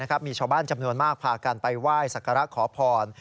ก็ไม่ต่างจากที่บริเวณสารพระแม่ญาติจังหวัดสุโขทัย